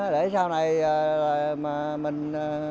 để sau này mà mình